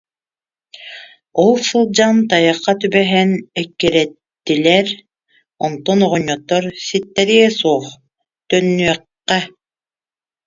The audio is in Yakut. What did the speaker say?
Ол сылдьан тайахха түбэһэн эккирэттилэр, онтон оҕонньоттор: «Ситтэриэ суох, төннүөххэ»